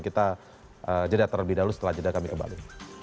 kita jeda terlebih dahulu setelah jeda kami kembali